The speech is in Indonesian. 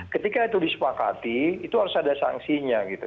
ketika itu disepakati itu harus ada sanksinya gitu